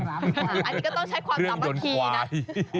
อันนี้ก็ต้องใช้ความสำหรับเครื่องยนต์ขวาย